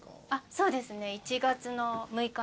そうですね。